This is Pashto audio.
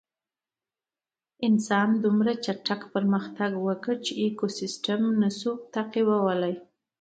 انسان دومره چټک پرمختګ وکړ چې ایکوسېسټم یې نهشوی تعقیبولی.